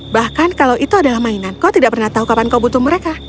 bahkan kalau itu adalah mainan kau tidak pernah tahu kapan kau butuh mereka